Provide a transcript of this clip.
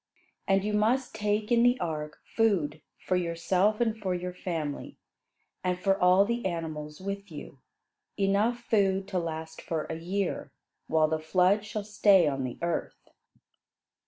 And you must take in the ark food for yourself and your family, and for all the animals with you; enough food to last for a year, while the flood shall stay on the earth."